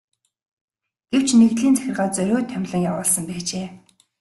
Гэвч нэгдлийн захиргаа зориуд томилон явуулсан байжээ.